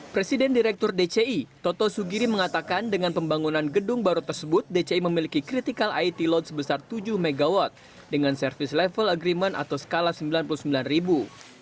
presiden direktur dci toto sugiri mengatakan dengan pembangunan gedung baru tersebut dci memiliki critical it load sebesar tujuh mw dengan service level agreement atau skala sembilan puluh sembilan ribu